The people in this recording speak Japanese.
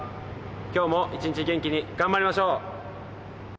今日も一日元気に頑張りましょう。